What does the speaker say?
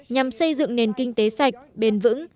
nhằm xây dựng nền kinh tế sạch bền vững